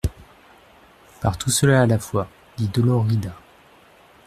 Par tout cela à la fois, dit Dolorida.